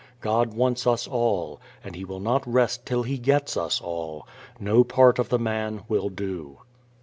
God wants us all, and He will not rest till He gets us all. No part of the man will do.